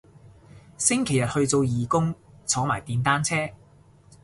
星期日去做義工坐埋電單車